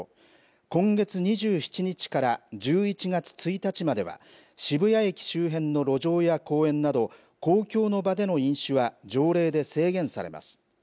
今月２７日から１１月１日までは渋谷駅周辺の路上や公園など公共の場での飲酒は条例で制限されます。